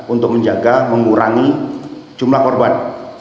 untuk menjaga mengurangi jumlah korban